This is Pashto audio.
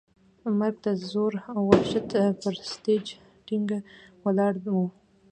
مرګ د زور او وحشت پر سټېج ټینګ ولاړ و.